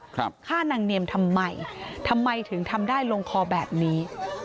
ฆ่านางเนียมทำไมทำไมถึงทำได้ลงคอแบบนี้